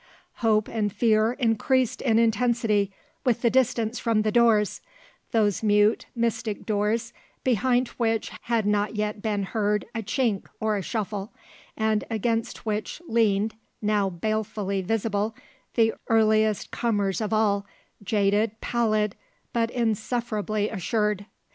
Hope and fear increased in intensity with the distance from the doors, those mute, mystic doors behind which had not yet been heard a chink or a shuffle and against which leaned, now balefully visible, the earliest comers of all, jaded, pallid, but insufferably assured.